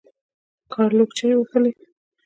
ګارلوک چیغې وهلې.